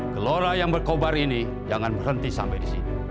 kelora yang berkobar ini jangan berhenti sampai di sini